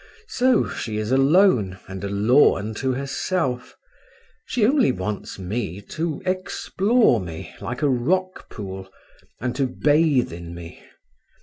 So she is alone and a law unto herself: she only wants me to explore me, like a rock pool, and to bathe in me.